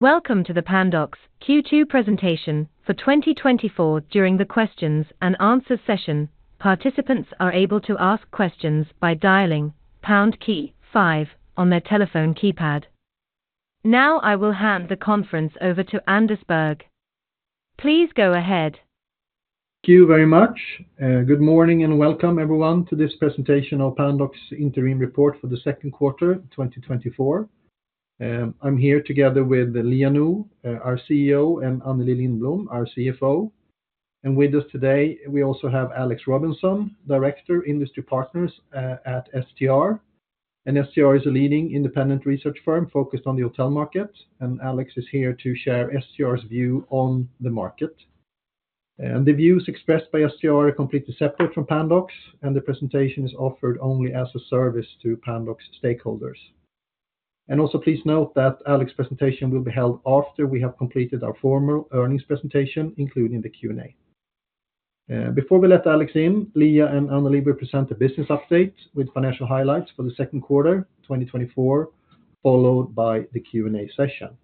Welcome to the Pandox Q2 Presentation for 2024. During the questions and answers session, participants are able to ask questions by dialing pound key five on their telephone keypad. Now, I will hand the conference over to Anders Berg. Please go ahead. Thank you very much. Good morning, and welcome everyone to this presentation of Pandox Interim Report for the Second Quarter 2024. I'm here together with Liia Nõu, our CEO, and Anneli Lindblom, our CFO. And with us today, we also have Alex Robinson, director, industry partners, at STR. And STR is a leading independent research firm focused on the hotel market, and Alex is here to share STR's view on the market. The views expressed by STR are completely separate from Pandox, and the presentation is offered only as a service to Pandox stakeholders. And also, please note that Alex's presentation will be held after we have completed our formal earnings presentation, including the Q&A. Before we let Alex in, Liia and Anneli will present a business update with financial highlights for the second quarter 2024, followed by the Q&A session.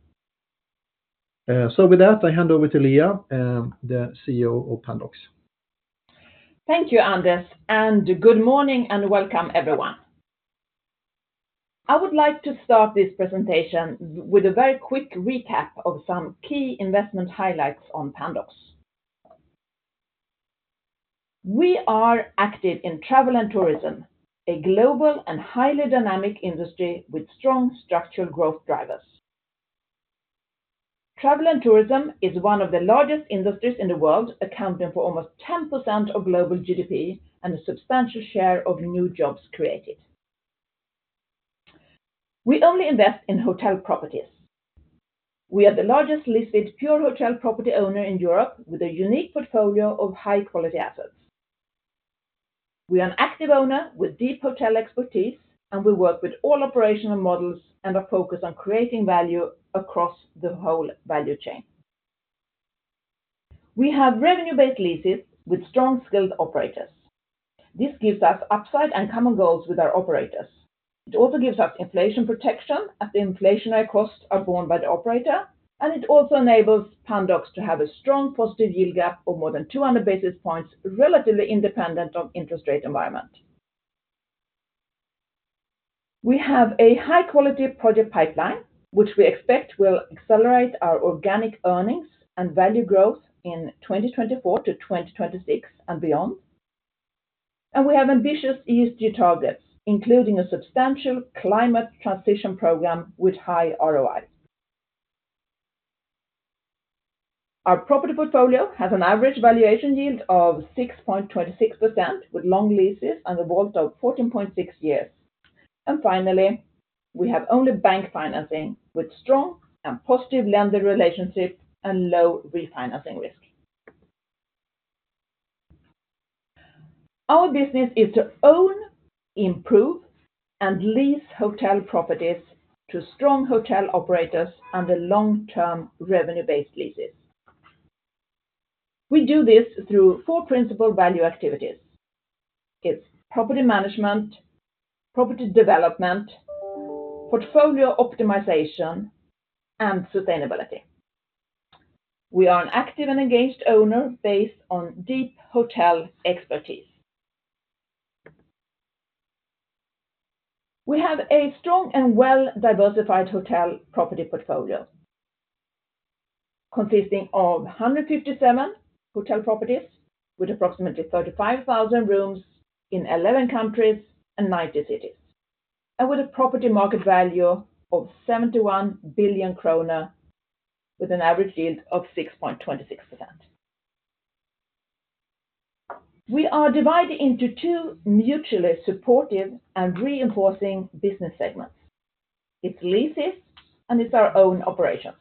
With that, I hand over to Liia Nõu, the CEO of Pandox. Thank you, Anders, and good morning, and welcome everyone. I would like to start this presentation with a very quick recap of some key investment highlights on Pandox. We are active in travel and tourism, a global and highly dynamic industry with strong structural growth drivers. Travel and tourism is one of the largest industries in the world, accounting for almost 10% of global GDP and a substantial share of new jobs created. We only invest in hotel properties. We are the largest listed pure hotel property owner in Europe, with a unique portfolio of high-quality assets. We are an active owner with deep hotel expertise, and we work with all operational models and are focused on creating value across the whole value chain. We have revenue-based leases with strong skilled operators. This gives us upside and common goals with our operators. It also gives us inflation protection, as the inflationary costs are borne by the operator, and it also enables Pandox to have a strong positive yield gap of more than 200 basis points, relatively independent of interest rate environment. We have a high-quality project pipeline, which we expect will accelerate our organic earnings and value growth in 2024 to 2026 and beyond. We have ambitious ESG targets, including a substantial climate transition program with high ROI. Our property portfolio has an average valuation yield of 6.26%, with long leases and a WAULT of 14.6 years. Finally, we have only bank financing with strong and positive lender relationships and low refinancing risk. Our business is to own, improve, and lease hotel properties to strong hotel operators under long-term revenue-based leases. We do this through four principal value activities. It's property management, property development, portfolio optimization, and sustainability. We are an active and engaged owner based on deep hotel expertise. We have a strong and well-diversified hotel property portfolio, consisting of 157 hotel properties, with approximately 35,000 rooms in 11 countries and 90 cities, and with a property market value of 71 billion kronor, with an average yield of 6.26%. We are divided into two mutually supportive and reinforcing business segments. It's leases, and it's our own operations.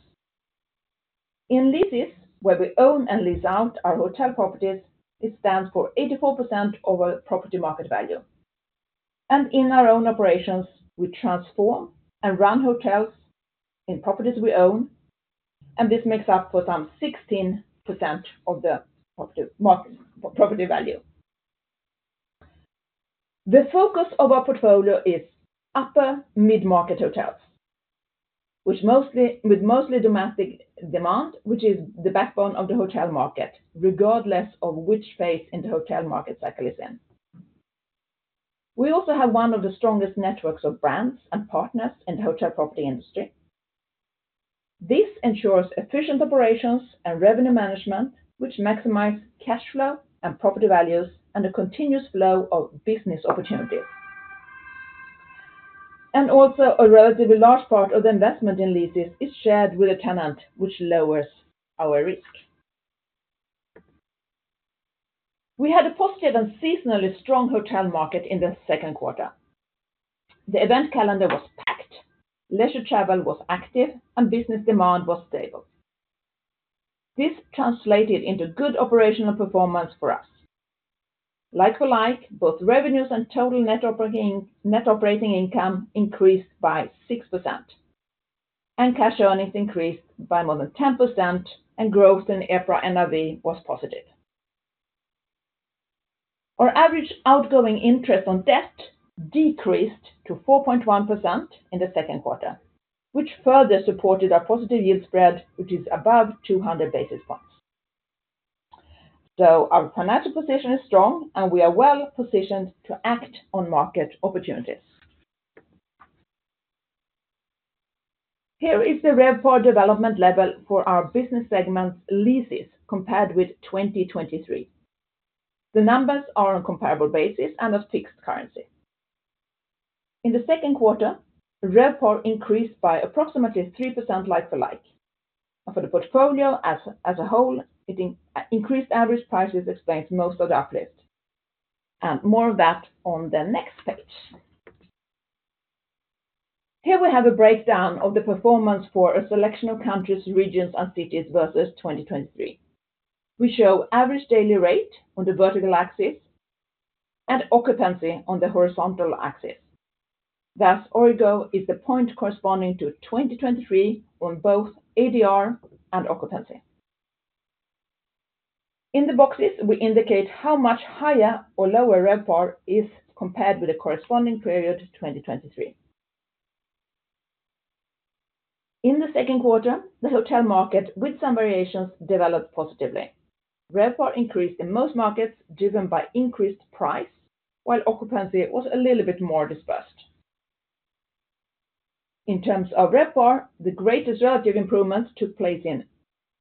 In leases, where we own and lease out our hotel properties, it stands for 84% of our property market value. And in our own operations, we transform and run hotels in properties we own, and this makes up for some 16% of the property market value. The focus of our portfolio is upper mid-market hotels, which, with mostly domestic demand, is the backbone of the hotel market, regardless of which phase in the hotel market cycle is in. We also have one of the strongest networks of brands and partners in the hotel property industry. This ensures efficient operations and revenue management, which maximize cash flow and property values and a continuous flow of business opportunities. A relatively large part of the investment in leases is shared with a tenant, which lowers our risk. We had a positive and seasonally strong hotel market in the second quarter. The event calendar was packed, leisure travel was active, and business demand was stable. This translated into good operational performance for us. Like-for-like, both revenues and total net operating, net operating income increased by 6%, and cash earnings increased by more than 10%, and growth in EPRA NRV was positive. Our average outgoing interest on debt decreased to 4.1% in the second quarter, which further supported our positive yield spread, which is above 200 basis points. So our financial position is strong, and we are well-positioned to act on market opportunities. Here is the RevPAR development level for our business segment leases, compared with 2023. The numbers are on comparable basis and of fixed currency. In the second quarter, RevPAR increased by approximately 3% like-for-like, and for the portfolio as a whole, it increased average prices explains most of the uplift, and more of that on the next page. Here we have a breakdown of the performance for a selection of countries, regions, and cities versus 2023. We show average daily rate on the vertical axis and occupancy on the horizontal axis. Thus, origo is the point corresponding to 2023 on both ADR and occupancy. In the boxes, we indicate how much higher or lower RevPAR is compared with the corresponding period, 2023. In the second quarter, the hotel market, with some variations, developed positively. RevPAR increased in most markets, driven by increased price, while occupancy was a little bit more dispersed. In terms of RevPAR, the greatest relative improvements took place in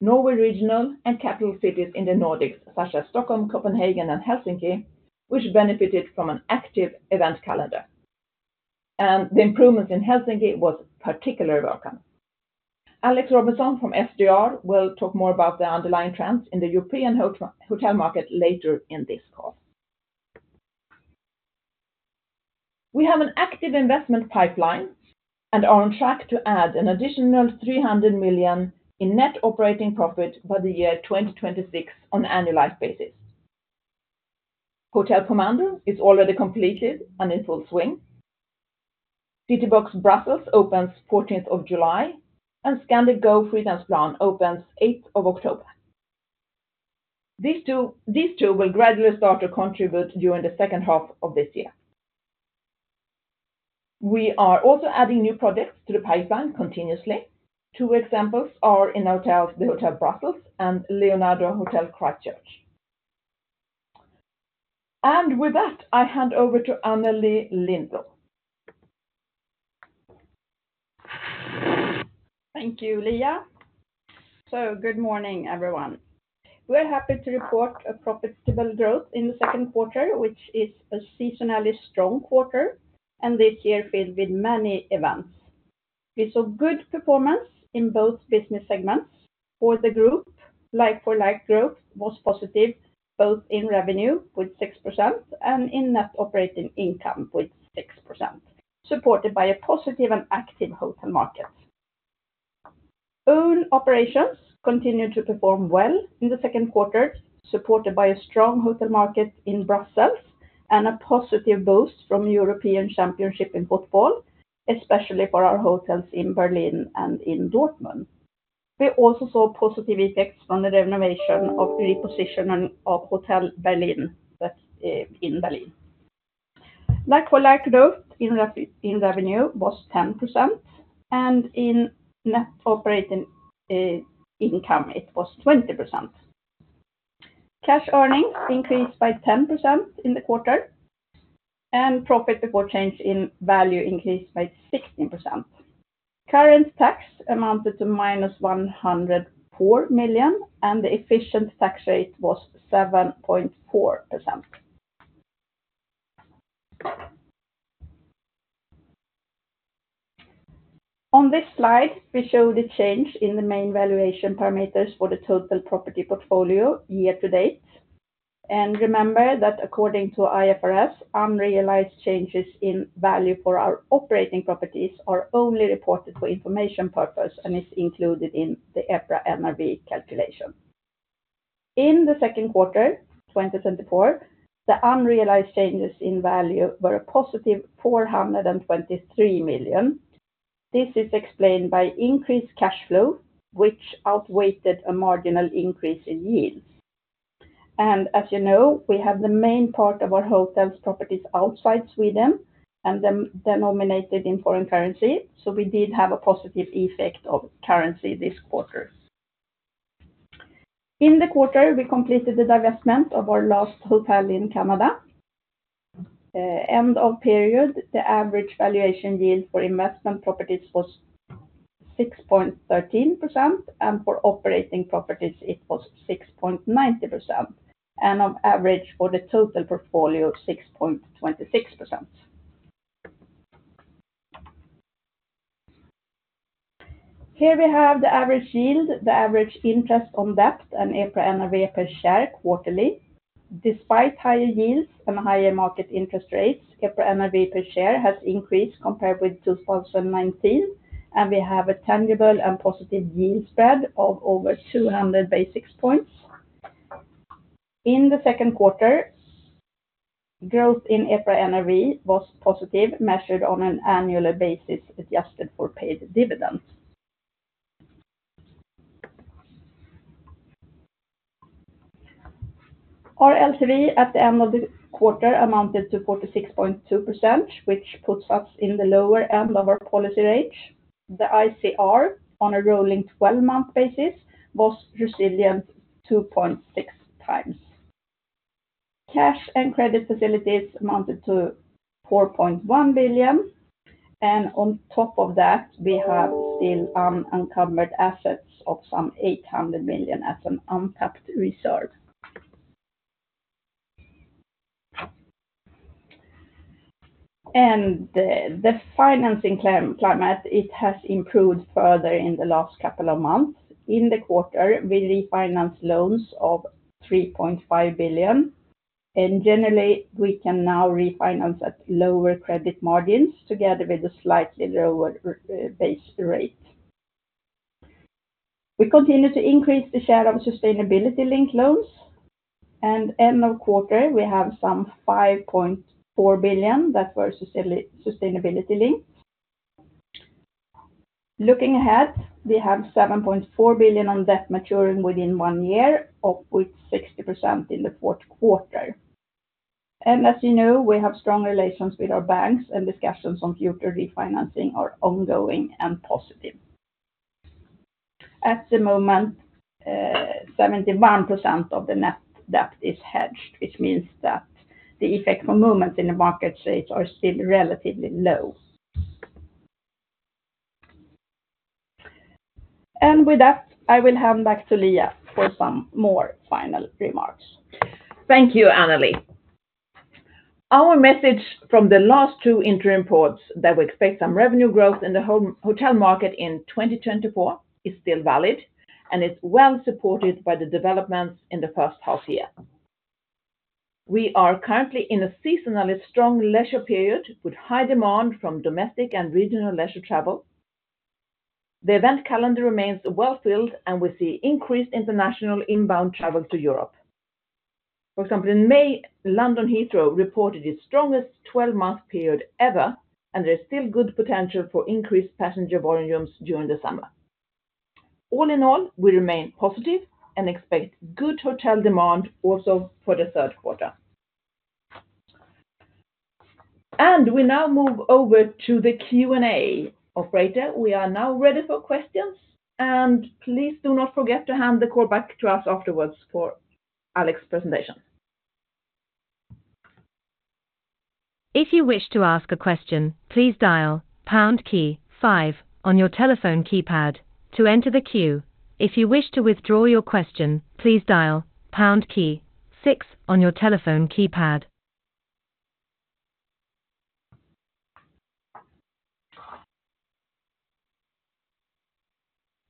Norway regional and capital cities in the Nordics, such as Stockholm, Copenhagen, and Helsinki, which benefited from an active event calendar. The improvements in Helsinki was particularly welcome. Alex Robinson from STR will talk more about the underlying trends in the European hotel market later in this call. We have an active investment pipeline and are on track to add an additional 300 million in net operating profit by the year 2026 on an annualized basis. Hotel Pomander is already completed and in full swing. Citybox Brussels opens 14th of July, and Scandic Go Fridhemsplan opens 8th of October. These two will gradually start to contribute during the second half of this year. We are also adding new products to the pipeline continuously. Two examples are in hotels, The Hotel Brussels and Leonardo Hotel Dublin Christchurch. And with that, I hand over to Anneli Lindblom. Thank you, Liia. So good morning, everyone. We are happy to report a profitable growth in the second quarter, which is a seasonally strong quarter, and this year filled with many events. We saw good performance in both business segments. For the group, like-for-like growth was positive, both in revenue with 6% and in net operating income with 6%, supported by a positive and active hotel market. Owned operations continued to perform well in the second quarter, supported by a strong hotel market in Brussels and a positive boost from European Championship in football, especially for our hotels in Berlin and in Dortmund. We also saw positive effects from the renovation of the repositioning of Hotel Berlin, that in Berlin. Like-for-like growth in revenue was 10%, and in net operating income, it was 20%. Cash earnings increased by 10% in the quarter, and profit before change in value increased by 16%. Current tax amounted to -104 million, and the effective tax rate was 7.4%. On this slide, we show the change in the main valuation parameters for the total property portfolio year to date. Remember that according to IFRS, unrealized changes in value for our operating properties are only reported for information purpose and is included in the EPRA NRV calculation. In the second quarter, 2024, the unrealized changes in value were a positive 423 million. This is explained by increased cash flow, which outweighed a marginal increase in yields. As you know, we have the main part of our hotels properties outside Sweden and them denominated in foreign currency, so we did have a positive effect of currency this quarter. In the quarter, we completed the divestment of our last hotel in Canada. End of period, the average valuation yield for investment properties was 6.13%, and for operating properties, it was 6.90%, and on average for the total portfolio, 6.26%. Here we have the average yield, the average interest on debt, and EPRA NRV per share quarterly. Despite higher yields and higher market interest rates, EPRA NRV per share has increased compared with 2019, and we have a tangible and positive yield spread of over 200 basis points. In the second quarter, growth in EPRA NRV was positive, measured on an annual basis, adjusted for paid dividends. Our LTV at the end of the quarter amounted to 46.2%, which puts us in the lower end of our policy range. The ICR on a rolling twelve-month basis was resilient 2.6 times. Cash and credit facilities amounted to 4.1 billion, and on top of that, we have still uncovered assets of some 800 million as an untapped reserve. The financing climate has improved further in the last couple of months. In the quarter, we refinanced loans of 3.5 billion, and generally, we can now refinance at lower credit margins together with a slightly lower base rate. We continue to increase the share of sustainability-linked loans, and end of quarter, we have some 5.4 billion that were sustainability-linked. Looking ahead, we have 7.4 billion on debt maturing within one year, up with 60% in the fourth quarter. And as you know, we have strong relations with our banks, and discussions on future refinancing are ongoing and positive. At the moment, 71% of the net debt is hedged, which means that the effect for movement in the market rates are still relatively low. And with that, I will hand back to Liia for some more final remarks. Thank you, Anneli. Our message from the last two interim reports that we expect some revenue growth in the hotel market in 2024 is still valid, and it's well supported by the developments in the first half year. We are currently in a seasonally strong leisure period, with high demand from domestic and regional leisure travel. The event calendar remains well-filled, and we see increased international inbound travel to Europe. For example, in May, London Heathrow reported its strongest 12-month period ever, and there's still good potential for increased passenger volumes during the summer. All in all, we remain positive and expect good hotel demand also for the third quarter. And we now move over to the Q&A. Operator, we are now ready for questions, and please do not forget to hand the call back to us afterwards for Alex's presentation. If you wish to ask a question, please dial pound key five on your telephone keypad to enter the queue. If you wish to withdraw your question, please dial pound key six on your telephone keypad.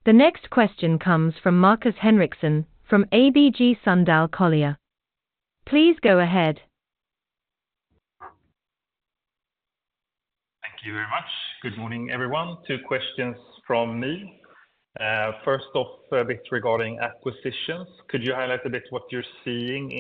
The next question comes from Markus Henriksson, from ABG Sundal Collier. Please go ahead. Thank you very much. Good morning, everyone. Two questions from me. First off, a bit regarding acquisitions. Could you highlight a bit what you're seeing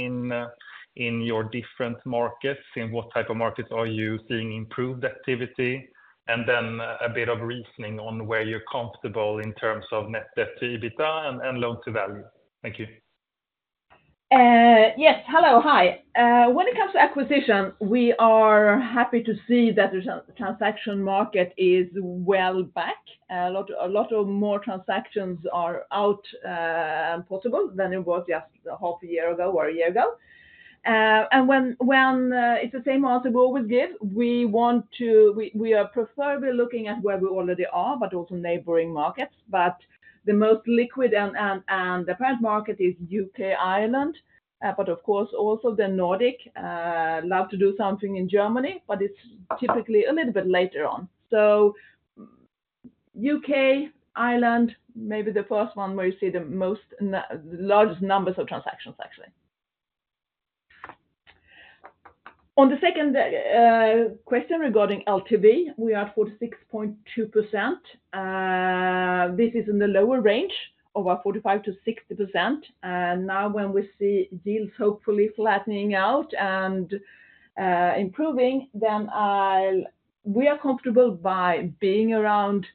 in your different markets? In what type of markets are you seeing improved activity? And then a bit of reasoning on where you're comfortable in terms of net debt to EBITDA and loan to value. Thank you. Yes. Hello, hi. When it comes to acquisition, we are happy to see that the transaction market is well back. A lot more transactions are possible than it was just a half a year ago or a year ago. And it's the same answer we always give, we want to—we are preferably looking at where we already are, but also neighboring markets. But the most liquid and the current market is U.K., Ireland, but of course, also the Nordics. Love to do something in Germany, but it's typically a little bit later on. So U.K., Ireland, may be the first one where you see the largest numbers of transactions, actually. On the second question regarding LTV, we are 46.2%. This is in the lower range of our 45%-60%. And now when we see deals hopefully flattening out and improving, then we are comfortable by being around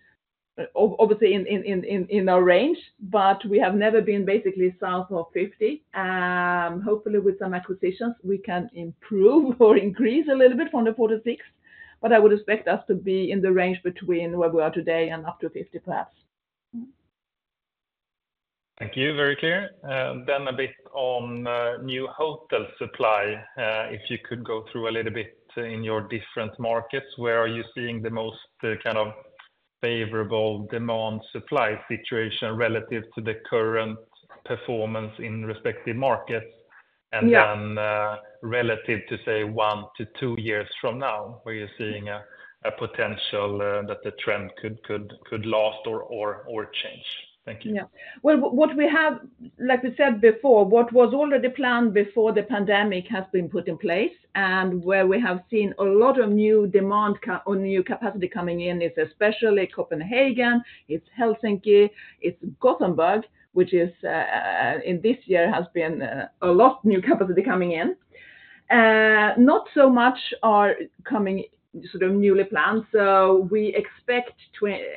obviously in our range, but we have never been basically south of 50. Hopefully, with some acquisitions, we can improve or increase a little bit from the 46, but I would expect us to be in the range between where we are today and up to 50 plus. Thank you. Very clear. Then a bit on new hotel supply. If you could go through a little bit in your different markets, where are you seeing the most kind of favorable demand-supply situation relative to the current performance in respective markets? Yeah. And then, relative to, say, one to two years from now, where you're seeing a potential that the trend could last or change? Thank you. Yeah. Well, what we have—like we said before, what was already planned before the pandemic has been put in place. And where we have seen a lot of new demand or new capacity coming in is especially Copenhagen, it's Helsinki, it's Gothenburg, which is in this year has been a lot new capacity coming in. Not so much are coming sort of newly planned, so we expect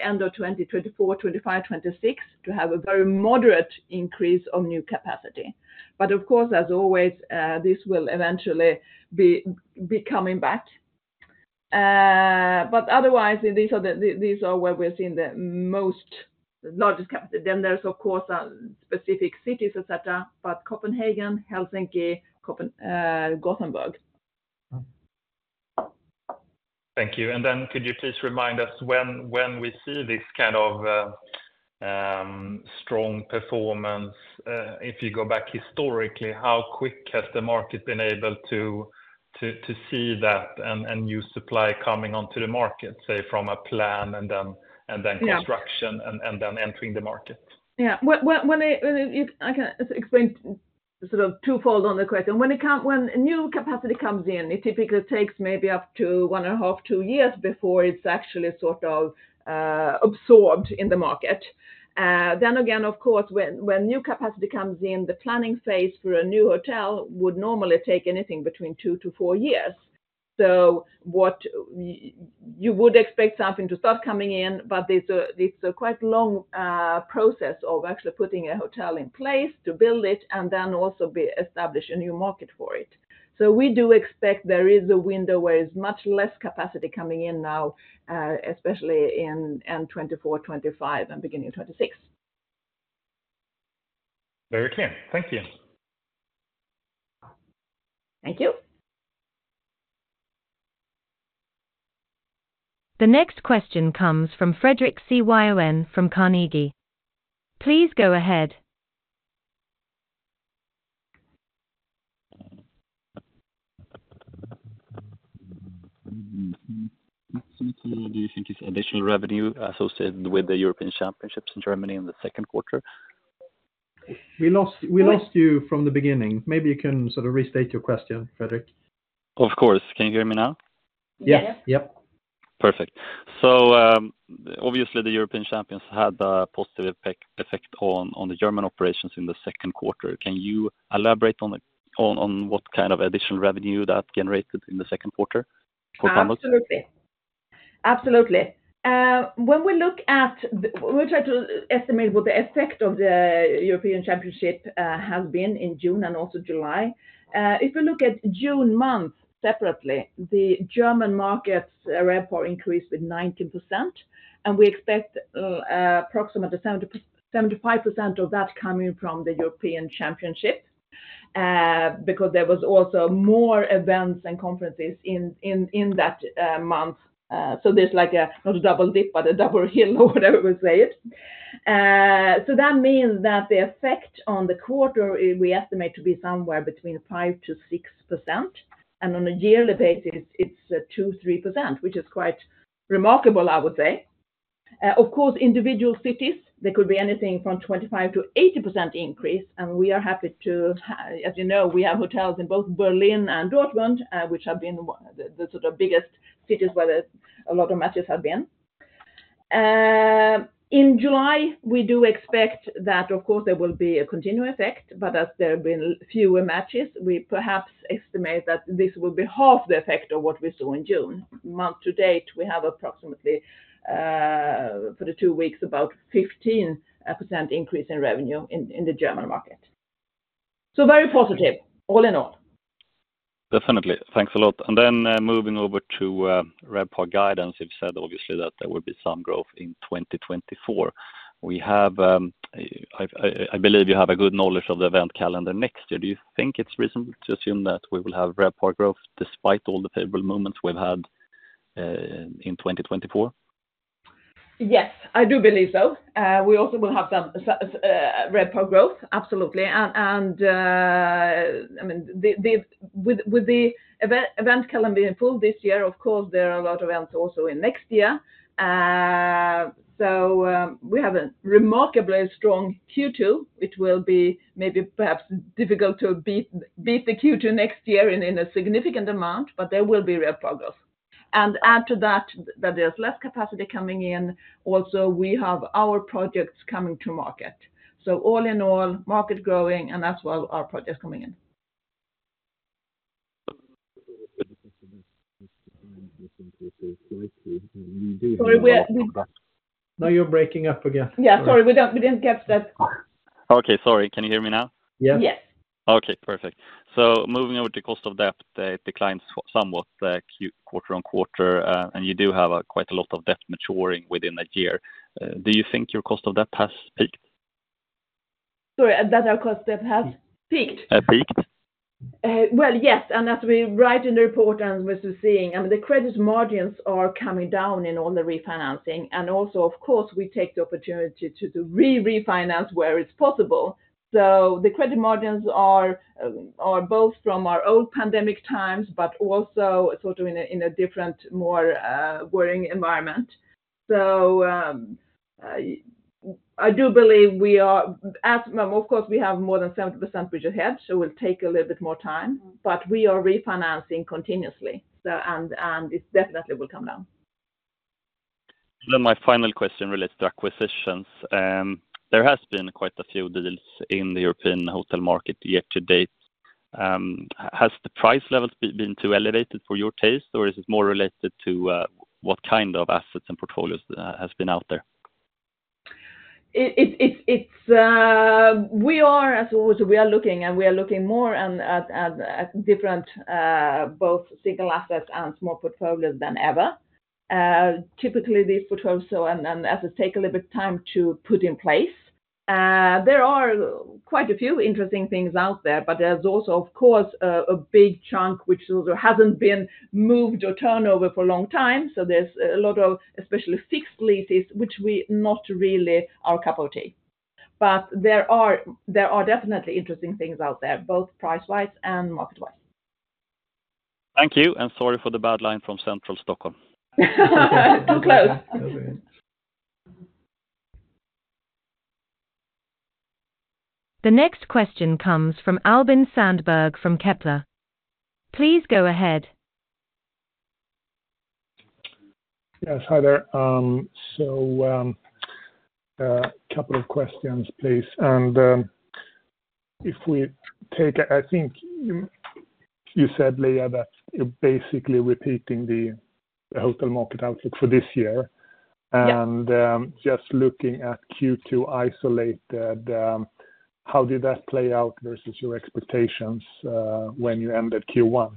end of 2024, 2025, 2026, to have a very moderate increase of new capacity. But of course, as always, this will eventually be coming back. But otherwise, these are the, these are where we're seeing the most largest capacity. Then there's of course specific cities, et cetera, but Copenhagen, Helsinki, Copenhagen, Gothenburg. Thank you. And then could you please remind us when we see this kind of strong performance, if you go back historically, how quick has the market been able to see that and new supply coming onto the market, say, from a plan and then? Yeah construction and then entering the market? Yeah. When it, I can explain sort of twofold on the question. When a new capacity comes in, it typically takes maybe up to 1.5-2 years before it's actually sort of absorbed in the market. Then again, of course, when new capacity comes in, the planning phase for a new hotel would normally take anything between 2-4 years. So you would expect something to start coming in, but it's a quite long process of actually putting a hotel in place to build it and then also establish a new market for it. So we do expect there is a window where there's much less capacity coming in now, especially in end 2024, 2025, and beginning of 2026. Very clear. Thank you. Thank you. The next question comes from Fredric Cyon from Carnegie. Please go ahead. How much do you think is additional revenue associated with the European Championships in Germany in the second quarter? We lost, we lost you from the beginning. Maybe you can sort of restate your question, Fredric. Of course. Can you hear me now? Yes. Yeah. Perfect. So, obviously, the European Championship had a positive effect on the German operations in the second quarter. Can you elaborate on what kind of additional revenue that generated in the second quarter for Pandox? Absolutely. Absolutely. When we look at the—we try to estimate what the effect of the European Championship has been in June and also July. If you look at June month separately, the German markets, RevPAR, increased with 19%, and we expect approximately 70%-75% of that coming from the European Championship because there was also more events and conferences in, in, in that month. So there's like a, not a double dip, but a double hill, or whatever we say it. So that means that the effect on the quarter, we estimate to be somewhere between 5%-6%, and on a yearly basis, it's 2%-3%, which is quite remarkable, I would say. Of course, individual cities, there could be anything from 25%-80% increase, and we are happy to, as you know, we have hotels in both Berlin and Dortmund, which have been the sort of biggest cities where a lot of matches have been. In July, we do expect that, of course, there will be a continued effect, but as there have been fewer matches, we perhaps estimate that this will be half the effect of what we saw in June. Month to date, we have approximately, for the two weeks, about 15% increase in revenue in the German market. So very positive, all in all. Definitely. Thanks a lot. Moving over to RevPAR guidance, you've said, obviously, that there will be some growth in 2024. I believe you have a good knowledge of the event calendar next year. Do you think it's reasonable to assume that we will have RevPAR growth despite all the favorable moments we've had in 2024? Yes, I do believe so. We also will have some RevPAR growth, absolutely. I mean, with the event calendar being full this year, of course, there are a lot of events also in next year. So we have a remarkably strong Q2. It will be maybe perhaps difficult to beat the Q2 next year in a significant amount, but there will be RevPAR growth. And add to that, there's less capacity coming in. Also, we have our projects coming to market. So all in all, market growing, and that's why our project is coming in. Sorry, now you're breaking up again. Yeah, sorry, we don't, we didn't catch that. Okay, sorry. Can you hear me now? Yes. Yes. Okay, perfect. So moving on with the cost of debt, the declines somewhat, quarter on quarter, and you do have a quite a lot of debt maturing within a year. Do you think your cost of debt has peaked? Sorry, that our cost debt has peaked? Uh, peaked. Well, yes, and as we write in the report and as we're seeing, and the credit margins are coming down in all the refinancing. And also, of course, we take the opportunity to re-refinance where it's possible. So the credit margins are both from our old pandemic times, but also sort of in a different, more worrying environment. So, I do believe we are. As, of course, we have more than 70% which is ahead, so it will take a little bit more time, but we are refinancing continuously, so, and it definitely will come down. Then my final question relates to acquisitions. There has been quite a few deals in the European hotel market year to date. Has the price level been too elevated for your taste, or is it more related to what kind of assets and portfolios has been out there? It's, as always, we are looking more and at different both single assets and small portfolios than ever. Typically, these portfolios so and as it take a little bit time to put in place. There are quite a few interesting things out there, but there's also, of course, a big chunk which also hasn't been moved or turnover for a long time. So there's a lot of especially fixed leases, which we not really our cup of tea. But there are definitely interesting things out there, both price-wise and market-wise. Thank you, and sorry for the bad line from central Stockholm. So close. The next question comes from Albin Sandberg from Kepler. Please go ahead. Yes, hi there. Couple of questions, please. If we take, I think you said, Liia, that you're basically repeating the hotel market outlook for this year. Yeah. Just looking at Q2 isolated, how did that play out versus your expectations, when you ended Q1?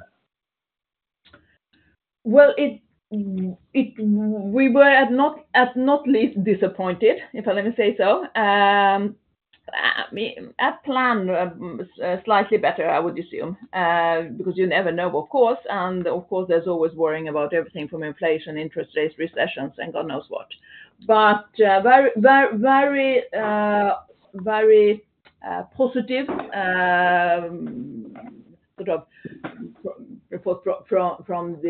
Well, it we were not at least disappointed, if I may say so. Ahead of plan, slightly better, I would assume, because you never know, of course, and of course, there's always worrying about everything from inflation, interest rates, recessions, and God knows what. But very, very, very positive sort of report from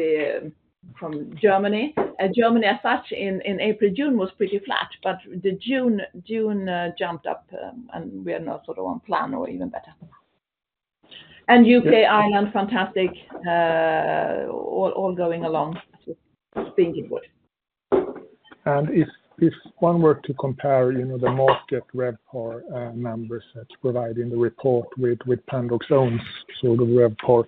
Germany. And Germany, as such, in April-June was pretty flat, but in June jumped up, and we are now sort of on plan or even better. And U.K., Ireland, fantastic, all going along, just ticking good. And if one were to compare, you know, the market RevPAR numbers that's provided in the report with Pandox's own sort of RevPAR,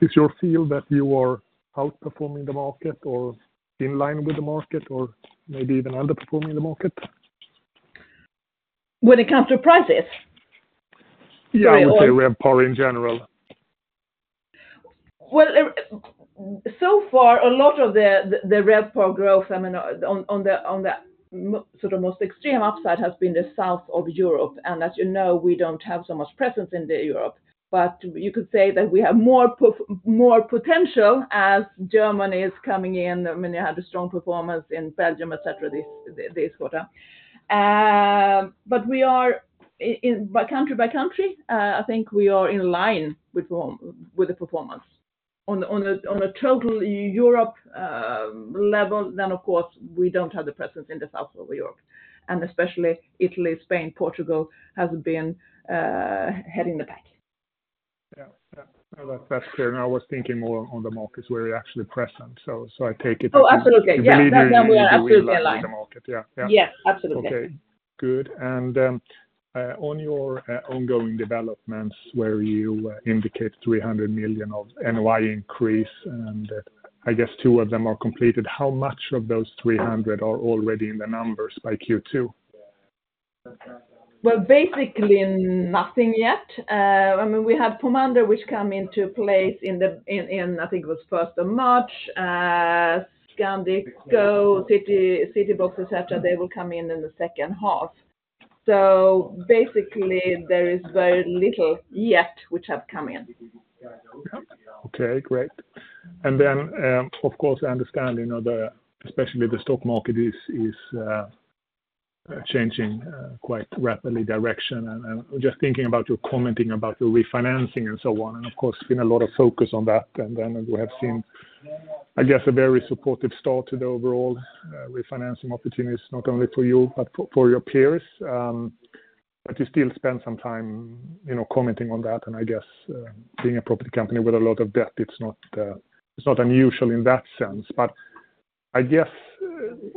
is your feel that you are outperforming the market or in line with the market or maybe even underperforming the market? When it comes to prices? Yeah, I would say RevPAR in general. Well, so far, a lot of the RevPAR growth, I mean, sort of most extreme upside has been the south of Europe, and as you know, we don't have so much presence in the Europe. But you could say that we have more potential as Germany is coming in. I mean, they had a strong performance in Belgium, et cetera, this quarter. But we are in, by country by country, I think we are in line with the performance. On a total Europe level, then, of course, we don't have the presence in the south of Europe, and especially Italy, Spain, Portugal has been heading the pack. Yeah, yeah. Well, that's clear. I was thinking more on the markets where you're actually present. So, I take it Oh, absolutely. You believe you are absolutely in line with the market. Yeah. Yeah. Yes, absolutely. Okay, good. And, on your ongoing developments, where you indicate 300 million of NOI increase, and I guess two of them are completed, how much of those 300 million are already in the numbers by Q2? Well, basically nothing yet. I mean, we have Pomander, which come into play in the, I think it was first of March. Scandic, Citybox, et cetera, they will come in in the second half. So basically, there is very little yet which have come in. Okay, great. And then, of course, I understand, you know, the, especially the stock market is changing quite rapidly direction. And just thinking about your commenting about the refinancing and so on, and of course, there's been a lot of focus on that. And then we have seen, I guess, a very supportive start to the overall refinancing opportunities, not only for you, but for your peers. But you still spend some time, you know, commenting on that. And I guess, being a property company with a lot of debt, it's not unusual in that sense. But I guess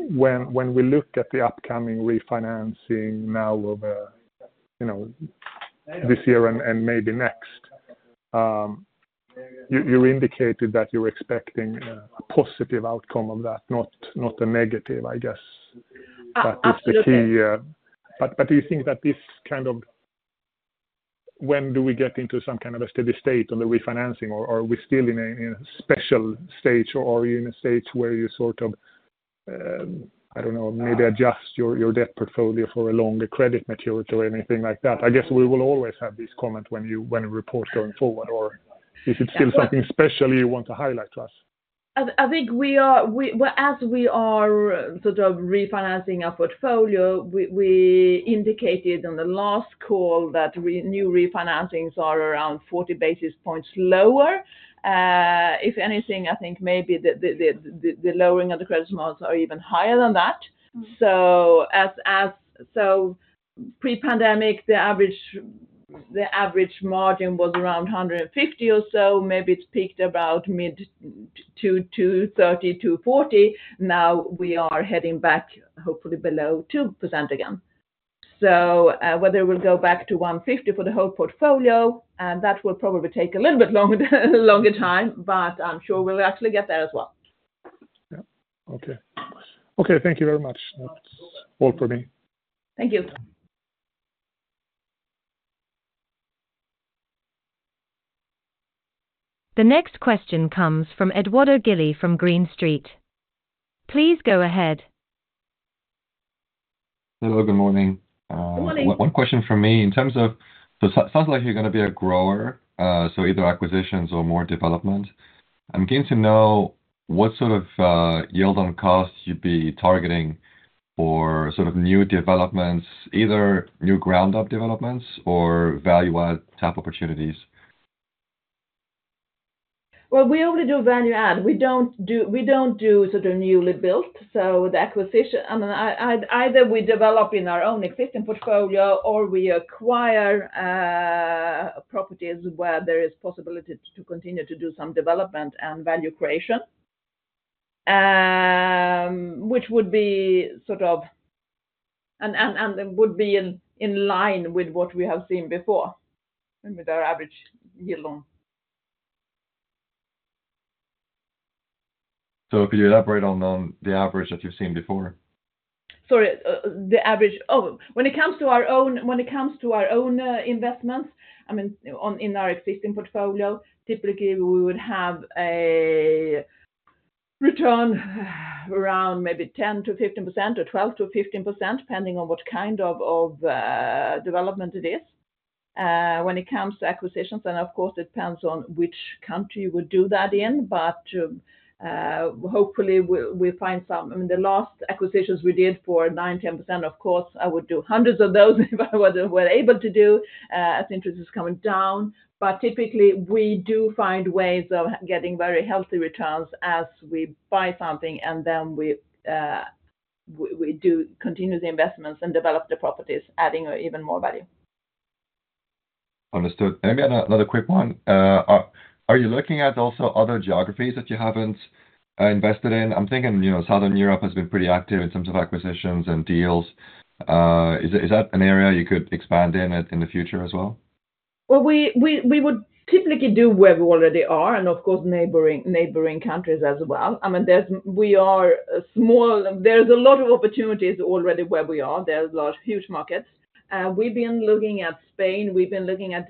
when we look at the upcoming refinancing now over, you know, this year and maybe next, you indicated that you're expecting a positive outcome of that, not a negative, I guess. Absolutely. But do you think that this kind of when do we get into some kind of a steady state on the refinancing, or are we still in a special stage, or are you in a stage where you sort of, I don't know, maybe adjust your debt portfolio for a longer credit maturity or anything like that? I guess we will always have this comment when you report going forward, or is it still something special you want to highlight to us? I think we are well, as we are sort of refinancing our portfolio, we indicated in the last call that new refinancings are around 40 basis points lower. If anything, I think maybe the lowering of the credit margins are even higher than that. So pre-pandemic, the average margin was around 150 or so, maybe it peaked about mid-230 to 240. Now we are heading back, hopefully below 2% again. So whether we'll go back to 150 for the whole portfolio, and that will probably take a little bit longer time, but I'm sure we'll actually get there as well. Yeah. Okay. Okay, thank you very much. That's all for me. Thank you. The next question comes from Eduardo Gill-Skipwith from Green Street. Please go ahead. Hello, good morning. Good morning. One question from me. In terms of, so sounds like you're gonna be a grower, so either acquisitions or more development. I'm keen to know what sort of yield on costs you'd be targeting for sort of new developments, either new ground up developments or value add type opportunities. Well, we only do value add. We don't do sort of newly built, so the acquisition. Either we develop in our own existing portfolio, or we acquire properties where there is possibility to continue to do some development and value creation. Which would be in line with what we have seen before, and with our average yield on. Could you elaborate on, on the average that you've seen before? When it comes to our own investments, I mean on in our existing portfolio, typically, we would have a return around maybe 10%-15% or 12%-15%, depending on what kind of development it is. When it comes to acquisitions, then, of course, it depends on which country we would do that in. But hopefully we find some I mean, the last acquisitions we did for 9%-10%, of course, I would do hundreds of those if I was able to do, as interest is coming down. But typically, we do find ways of getting very healthy returns as we buy something, and then we do continue the investments and develop the properties, adding even more value. Understood. Maybe another quick one. Are you looking at also other geographies that you haven't invested in? I'm thinking, you know, Southern Europe has been pretty active in terms of acquisitions and deals. Is that an area you could expand in the future as well? Well, we would typically do where we already are, and of course, neighboring countries as well. I mean, there's a lot of opportunities already where we are. There's large, huge markets. We've been looking at Spain, we've been looking at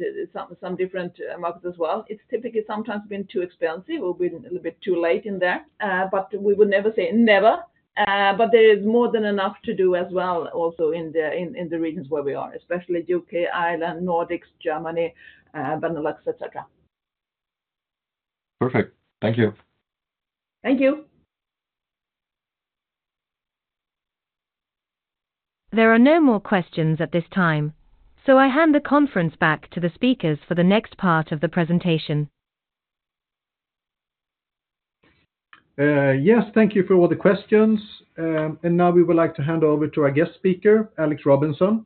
some different markets as well. It's typically sometimes been too expensive or been a little bit too late in there, but we would never say never. But there is more than enough to do as well, also in the regions where we are, especially U.K., Ireland, Nordics, Germany, Benelux, et cetera. Perfect. Thank you. Thank you. There are no more questions at this time, so I hand the conference back to the speakers for the next part of the presentation. Yes, thank you for all the questions. And now we would like to hand over to our guest speaker, Alex Robinson,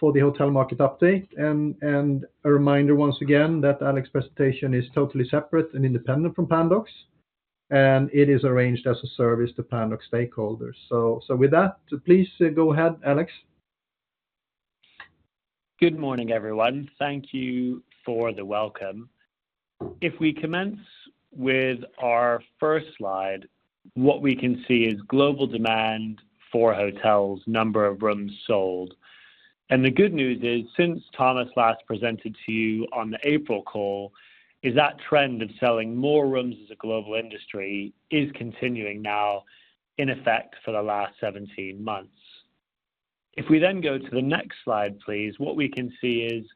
for the hotel market update. And a reminder once again, that Alex's presentation is totally separate and independent from Pandox, and it is arranged as a service to Pandox stakeholders. With that, please, go ahead, Alex. Good morning, everyone. Thank you for the welcome. If we commence with our first slide, what we can see is global demand for hotels, number of rooms sold. And the good news is, since Thomas last presented to you on the April call, is that trend of selling more rooms as a global industry is continuing now in effect for the last 17 months. If we then go to the next slide, please, what we can see is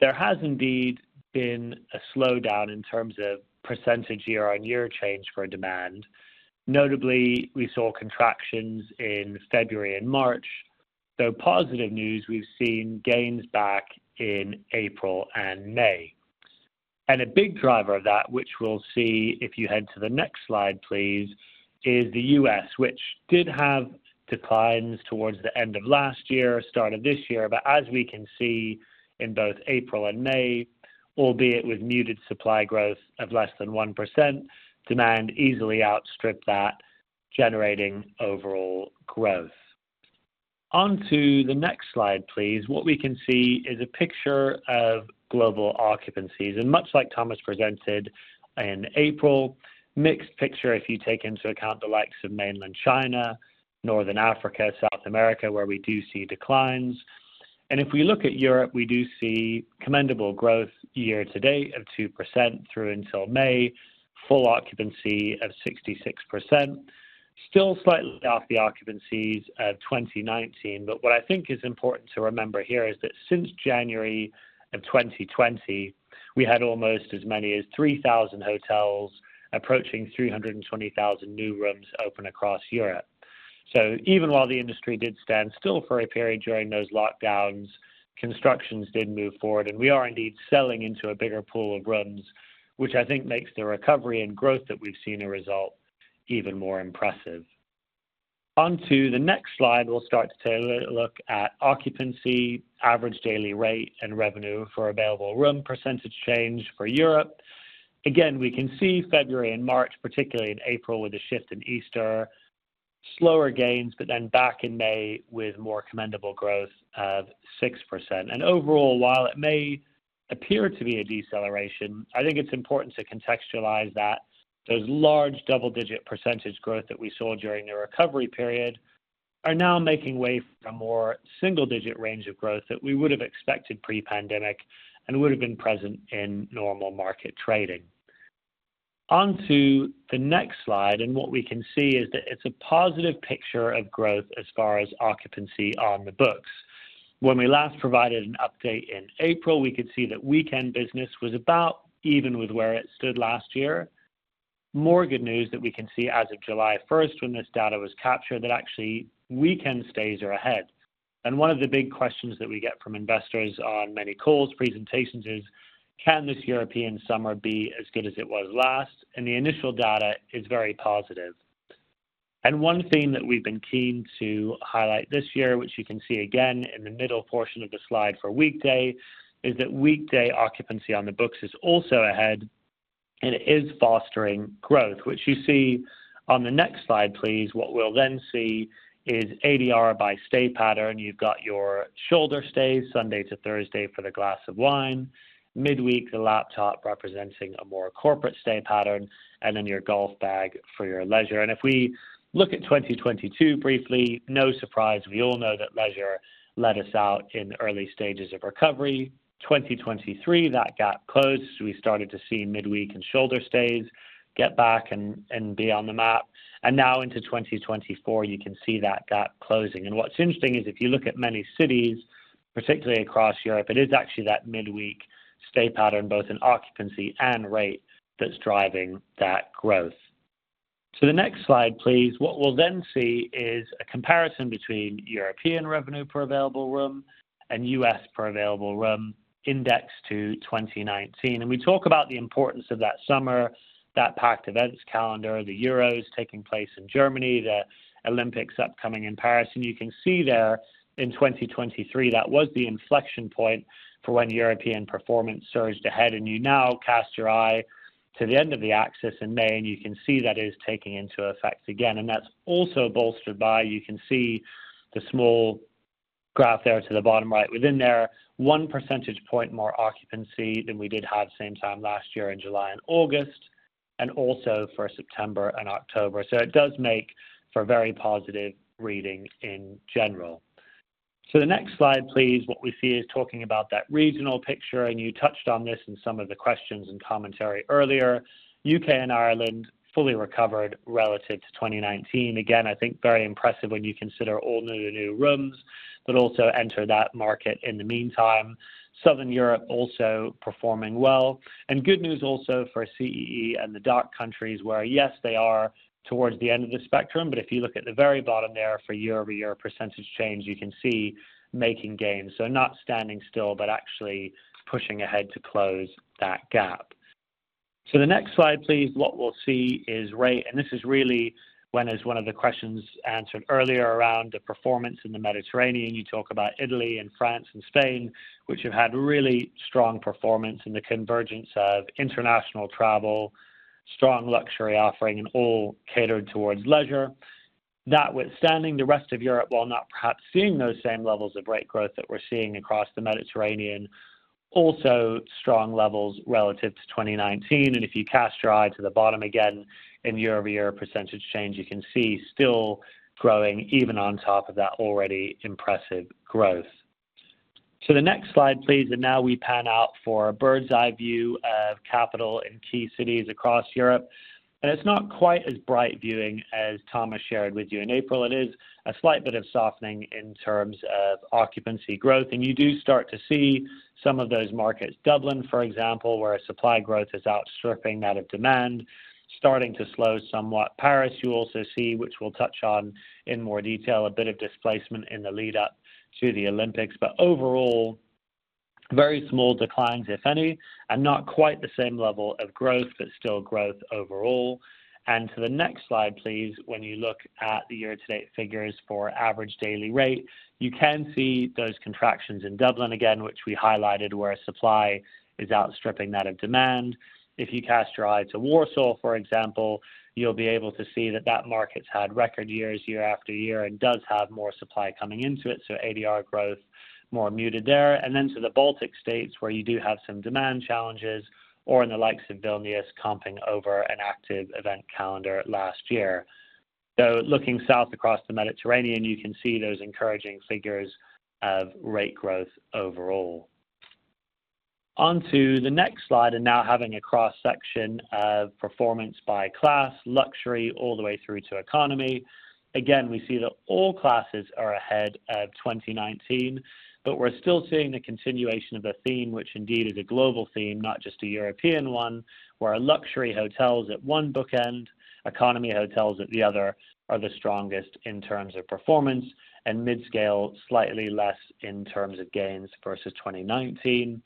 there has indeed been a slowdown in terms of percentage year-on-year change for demand. Notably, we saw contractions in February and March. So positive news, we've seen gains back in April and May. And a big driver of that, which we'll see if you head to the next slide, please, is the U.S., which did have declines towards the end of last year, start of this year. But as we can see in both April and May, albeit with muted supply growth of less than 1%, demand easily outstripped that, generating overall growth. On to the next slide, please. What we can see is a picture of global occupancies, and much like Thomas presented in April, mixed picture, if you take into account the likes of Mainland China, Northern Africa, South America, where we do see declines. And if we look at Europe, we do see commendable growth year to date of 2% through until May, full occupancy of 66%. Still slightly off the occupancies of 2019. But what I think is important to remember here, is that since January of 2020, we had almost as many as 3,000 hotels approaching 320,000 new rooms open across Europe. So even while the industry did stand still for a period during those lockdowns, constructions did move forward, and we are indeed selling into a bigger pool of rooms, which I think makes the recovery and growth that we've seen a result even more impressive. On to the next slide, we'll start to take a look at occupancy, average daily rate, and revenue per available room percentage change for Europe. Again, we can see February and March, particularly in April, with a shift in Easter, slower gains, but then back in May with more commendable growth of 6%. Overall, while it may appear to be a deceleration, I think it's important to contextualize that those large double-digit percentage growth that we saw during the recovery period are now making way for a more single-digit range of growth that we would have expected pre-pandemic and would have been present in normal market trading. On to the next slide, and what we can see is that it's a positive picture of growth as far as occupancy on the books. When we last provided an update in April, we could see that weekend business was about even with where it stood last year. More good news that we can see as of July first, when this data was captured, that actually weekend stays are ahead. One of the big questions that we get from investors on many calls, presentations, is, "Can this European summer be as good as it was last?" The initial data is very positive. One theme that we've been keen to highlight this year, which you can see again in the middle portion of the slide for weekday, is that weekday occupancy on the books is also ahead and is fostering growth, which you see on the next slide, please. What we'll then see is ADR by stay pattern. You've got your shoulder stay, Sunday to Thursday, for the glass of wine. Midweek, the laptop representing a more corporate stay pattern, and then your golf bag for your leisure. If we look at 2022 briefly, no surprise, we all know that leisure led us out in the early stages of recovery. 2023, that gap closed. We started to see midweek and shoulder stays get back and be on the map. And now into 2024, you can see that gap closing. And what's interesting is if you look at many cities, particularly across Europe, it is actually that midweek stay pattern, both in occupancy and rate, that's driving that growth. To the next slide, please. What we'll then see is a comparison between European revenue per available room and U.S. per available room indexed to 2019. And we talk about the importance of that summer, that packed events calendar, the Euros taking place in Germany, the Olympics upcoming in Paris. You can see there in 2023, that was the inflection point for when European performance surged ahead, and you now cast your eye to the end of the axis in May, and you can see that it is taking into effect again. And that's also bolstered by, you can see the small graph there to the bottom right. Within there, 1 percentage point more occupancy than we did have same time last year in July and August, and also for September and October. So it does make for a very positive reading in general. So the next slide, please. What we see is talking about that regional picture, and you touched on this in some of the questions and commentary earlier. U.K. and Ireland fully recovered relative to 2019. Again, I think very impressive when you consider all new, new rooms, but also enter that market in the meantime. Southern Europe also performing well, and good news also for CEE and the Nordic countries, where, yes, they are towards the end of the spectrum, but if you look at the very bottom there for year-over-year percentage change, you can see making gains. So not standing still, but actually pushing ahead to close that gap. So the next slide, please. What we'll see is rate, and this is really when, as one of the questions answered earlier around the performance in the Mediterranean, you talk about Italy and France and Spain, which have had really strong performance in the convergence of international travel, strong luxury offering, and all catered towards leisure. Notwithstanding the rest of Europe, while not perhaps seeing those same levels of rate growth that we're seeing across the Mediterranean, also strong levels relative to 2019. If you cast your eye to the bottom again, in year-over-year percentage change, you can see still growing even on top of that already impressive growth. The next slide, please. Now we pan out for a bird's-eye view of RevPAR in key cities across Europe. It's not quite as bright viewing as Thomas shared with you in April. It is a slight bit of softening in terms of occupancy growth, and you do start to see some of those markets. Dublin, for example, where supply growth is outstripping that of demand, starting to slow somewhat. Paris, you also see, which we'll touch on in more detail, a bit of displacement in the lead up to the Olympics. But overall, very small declines, if any, and not quite the same level of growth, but still growth overall. And to the next slide, please. When you look at the year-to-date figures for average daily rate, you can see those contractions in Dublin again, which we highlighted, where supply is outstripping that of demand. If you cast your eye to Warsaw, for example, you'll be able to see that that market's had record years, year after year, and does have more supply coming into it, so ADR growth, more muted there. And then to the Baltic States, where you do have some demand challenges or in the likes of Vilnius, comping over an active event calendar last year. So looking south across the Mediterranean, you can see those encouraging figures of rate growth overall. On to the next slide, and now having a cross-section of performance by class, luxury, all the way through to economy. Again, we see that all classes are ahead of 2019, but we're still seeing the continuation of a theme, which indeed is a global theme, not just a European one, where our luxury hotels at one bookend, economy hotels at the other, are the strongest in terms of performance and mid-scale, slightly less in terms of gains versus 2019.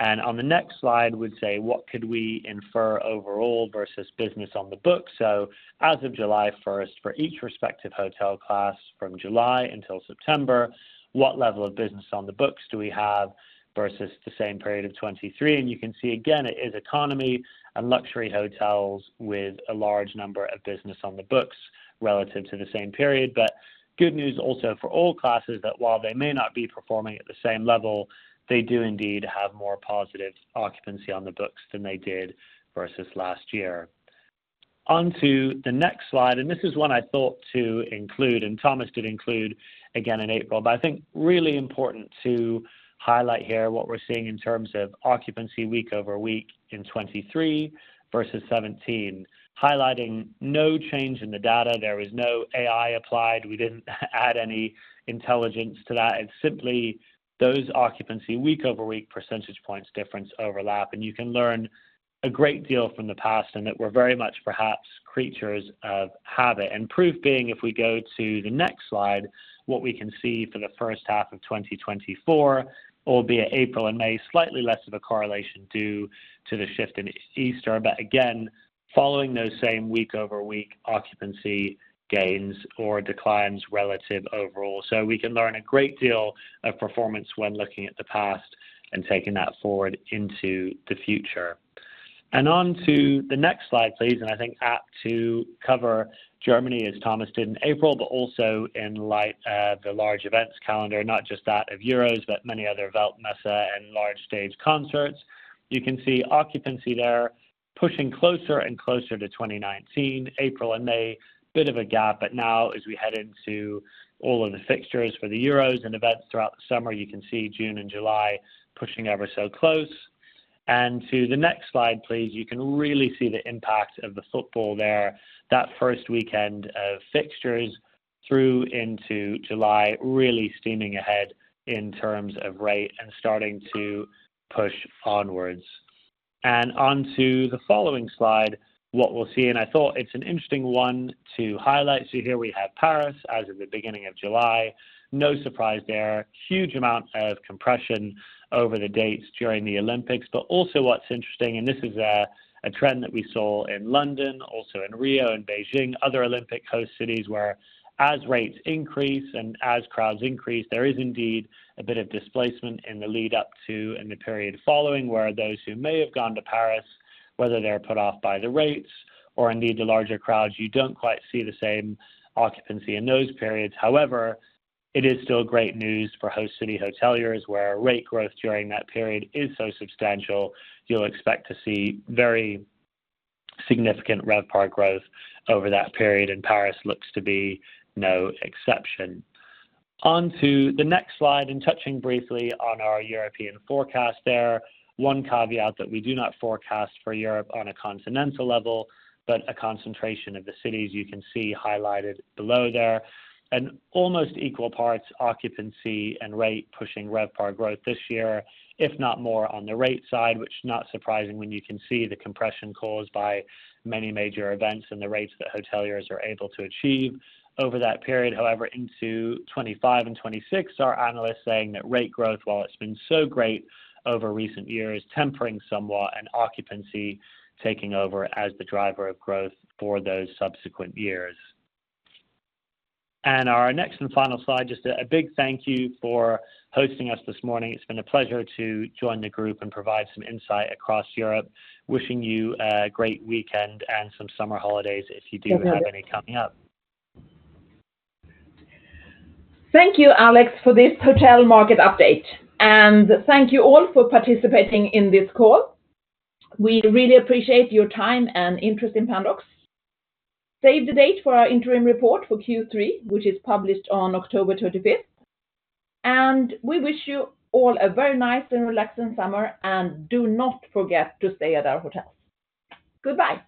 On the next slide, we'd say, what could we infer overall versus business on the book? As of July 1, for each respective hotel class from July until September, what level of business on the books do we have versus the same period of 2023? You can see again, it is economy and luxury hotels with a large number of business on the books relative to the same period, but good news also for all classes, that while they may not be performing at the same level, they do indeed have more positive occupancy on the books than they did versus last year. On to the next slide, and this is one I thought to include, and Thomas did include again in April. But I think really important to highlight here what we're seeing in terms of occupancy week-over-week in 2023 versus 2017, highlighting no change in the data. There is no AI applied. We didn't add any intelligence to that. It's simply those occupancy, week-over-week, percentage points, difference, overlap, and you can learn a great deal from the past, and that we're very much perhaps creatures of habit. And proof being, if we go to the next slide, what we can see for the first half of 2024, albeit April and May, slightly less of a correlation due to the shift in Easter. But again, following those same week-over-week occupancy gains or declines relative overall. So we can learn a great deal of performance when looking at the past and taking that forward into the future. And on to the next slide, please, and I think apt to cover Germany, as Thomas did in April, but also in light of the large events calendar, not just that of Euros, but many other Weltmesse and large stage concerts. You can see occupancy there pushing closer and closer to 2019, April and May. Bit of a gap, but now as we head into all of the fixtures for the Euros and events throughout the summer, you can see June and July pushing ever so close. To the next slide, please. You can really see the impact of the football there. That first weekend of fixtures through into July, really steaming ahead in terms of rate and starting to push onwards. On to the following slide, what we'll see, and I thought it's an interesting one to highlight. So here we have Paris as of the beginning of July. No surprise there. Huge amount of compression over the dates during the Olympics, but also what's interesting, and this is a trend that we saw in London, also in Rio and Beijing, other Olympic host cities, where as rates increase and as crowds increase, there is indeed a bit of displacement in the lead up to, and the period following, where those who may have gone to Paris, whether they're put off by the rates or indeed the larger crowds, you don't quite see the same occupancy in those periods. However, it is still great news for host city hoteliers, where rate growth during that period is so substantial, you'll expect to see very significant RevPAR growth over that period, and Paris looks to be no exception. On to the next slide, and touching briefly on our European forecast there. One caveat that we do not forecast for Europe on a continental level, but a concentration of the cities you can see highlighted below there. Almost equal parts, occupancy and rate, pushing RevPAR growth this year, if not more on the rate side, which not surprising when you can see the compression caused by many major events and the rates that hoteliers are able to achieve over that period. However, into 25 and 26, our analysts saying that rate growth, while it's been so great over recent years, tempering somewhat and occupancy taking over as the driver of growth for those subsequent years. Our next and final slide, just a big thank you for hosting us this morning. It's been a pleasure to join the group and provide some insight across Europe. Wishing you a great weekend and some summer holidays if you do have any coming up. Thank you, Alex, for this hotel market update, and thank you all for participating in this call. We really appreciate your time and interest in Pandox. Save the date for our interim report for Q3, which is published on October 25. We wish you all a very nice and relaxing summer, and do not forget to stay at our hotels. Goodbye.